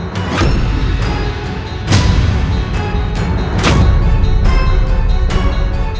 ku adoles yuk